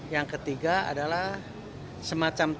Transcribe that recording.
yang ketiga adalah semacam